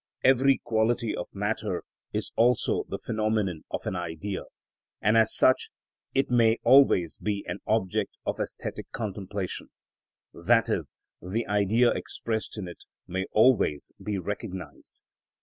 Every quality of matter is also the phenomenon of an Idea, and as such it may always be an object of æsthetic contemplation, i.e., the Idea expressed in it may always be recognised.